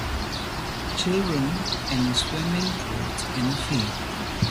Children in swimming clothes in a field.